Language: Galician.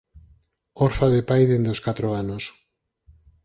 Orfa de pai dende os catro anos.